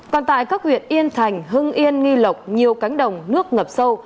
còn tại các huyện yên thành hưng yên nghi lộc nhiều cánh đồng nước ngập sâu